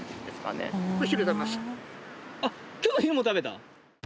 今日の昼も食べた？